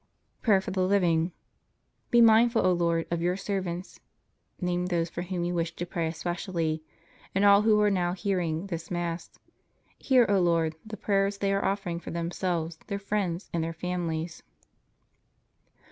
PRAYER FOR THE LIVING Be mindful, O Lord, of Your servants (name those for whom you wish to pray especially), and all who are now hearing this Mass. Hear, O Lord, the prayers they are offering for themselves, their friends and their families.